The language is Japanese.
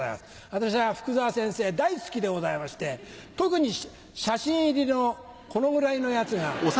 私は福沢先生大好きでございまして特に写真入りのこのぐらいのやつが。